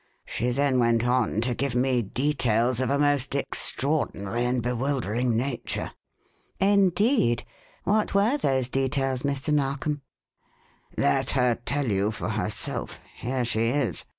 She then went on to give me details of a most extraordinary and bewildering nature." "Indeed? What were those details, Mr. Narkom?" "Let her tell you for herself here she is!"